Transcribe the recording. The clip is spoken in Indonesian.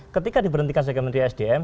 ketika diberhentikan sebagai menteri sdm